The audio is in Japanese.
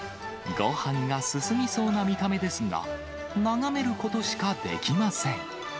ごはんが進みそうな見た目ですが、眺めることしかできません。